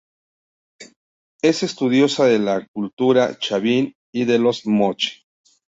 Es estudiosa de la Cultura Chavín y de los Moche.